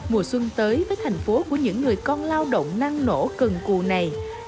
mùa xuân tới với thành phố của những người con lao động năng nổ cần cù này